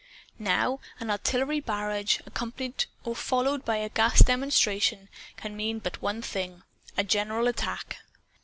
Now, an artillery barrage, accompanied or followed by a gas demonstration, can mean but one thing: a general attack.